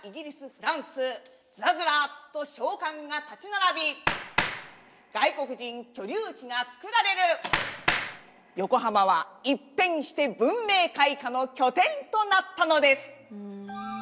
フランスずらずらっと商館が立ち並び外国人居留地がつくられる横浜は一変して文明開化の拠点となったのです